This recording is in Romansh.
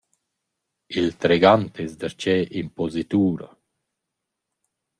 Il tregant es darcheu in positura.